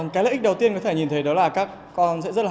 cái lợi ích đầu tiên có thể nhìn thấy đó là các con sẽ rất là học tập